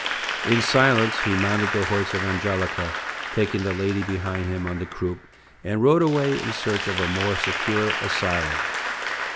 In silence he mounted the horse of Angelica, taking the lady behind him on the croup, and rode away in search of a more secure asylum.